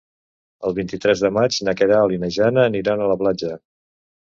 El vint-i-tres de maig na Queralt i na Jana aniran a la platja.